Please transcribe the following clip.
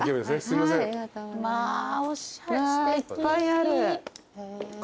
いっぱいある。